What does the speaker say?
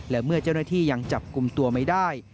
และเมื่อเจ้าหน้าที่ยังจับกลุ่มตัวไม่ได้